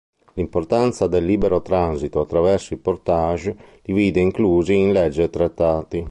L'importanza del libero transito attraverso i "portage" li vide inclusi in leggi e trattati.